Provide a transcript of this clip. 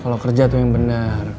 kalo kerja tuh yang bener